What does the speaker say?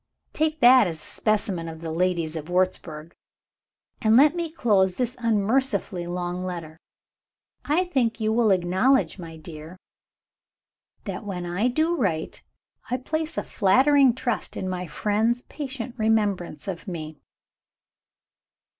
Take that as a specimen of the ladies of Wurzburg and let me close this unmercifully long letter. I think you will acknowledge, my dear, that, when I do write, I place a flattering trust in my friend's patient remembrance of me."